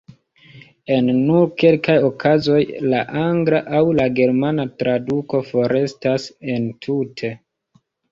En nur kelkaj okazoj la angla aŭ la germana traduko forestas entute.